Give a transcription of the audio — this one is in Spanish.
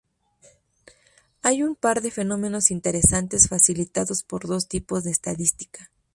Hay un par de fenómenos interesantes facilitados por los dos tipos de estadística.